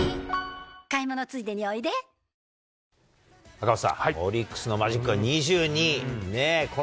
赤星さん、オリックスのマジックが２２。